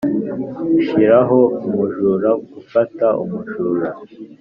shiraho umujura gufata umujura.